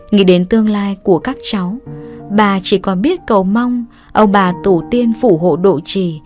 nghĩ đến tương lai của các cháu bà chỉ còn biết cầu mong ông bà tổ tiên phủ hộ độ trì